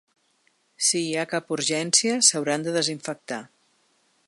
Si hi ha cap urgència, s’hauran de desinfectar.